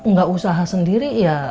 gak usaha sendiri ya